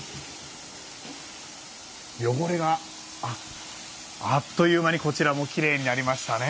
汚れがあっという間にこちらもきれいになりましたね。